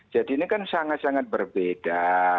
jadi ini kan sangat sangat berbeda